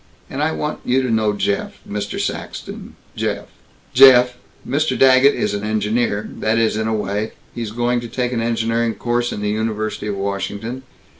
And I want you to know Jeff Mr. Saxton.... Jeff, Mr. Daggett is an engineer, that is, in a way. He's going to take an engineering course in the University of Washington.